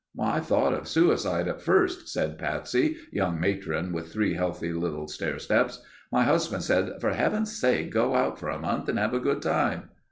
"I thought of suicide at first," said Patsy, young matron with three healthy little stairsteps. "My husband said 'for heaven's sake, go out for a month and have a good time.